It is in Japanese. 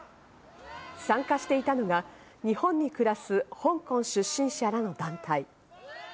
参加していたのが日本に暮らす香港出身者らの団体。